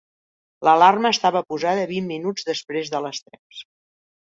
L'alarma estava posada vint minuts després de les tres.